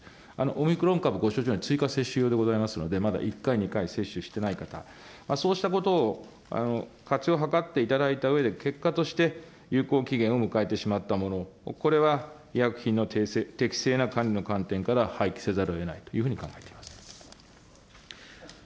オミクロン株、ご承知のように追加接種用でございますので、まだ１回、２回、接種してない方、そうしたことを活用はかっていただいたうえで、結果として有効期限を迎えてしまったもの、これは医薬品の適切な管理の観点から廃棄せざるをえないというふうに考えています。